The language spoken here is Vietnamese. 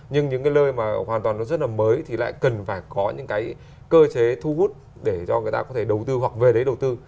nhưng những cái lơi mà hoàn toàn nó rất là mới thì lại cần phải có những cái cơ chế thu hút để cho người ta có thể đầu tư hoặc về đấy đầu tư